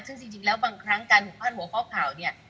ซึ่งจริงแล้วบางครั้งการถูกพลาดหัวข้อข่าวเนี่ย